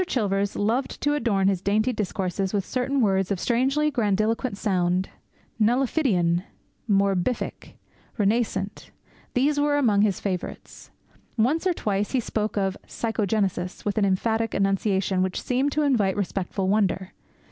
Chilvers loved to adorn his dainty discourses with certain words of strangely grandiloquent sound. '"Nullifidian," "morbific," "renascent" these were among his favourites. Once or twice he spoke of "psychogenesis" with an emphatic enunciation which seemed to invite respectful wonder.